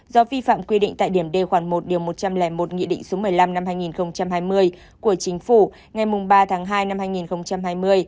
do vi phạm quy định tại điểm d khoản một điều một trăm linh một nghị định số một mươi năm năm hai nghìn hai mươi của chính phủ ngày ba tháng hai năm hai nghìn hai mươi